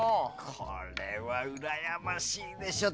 これは羨ましいでしょ。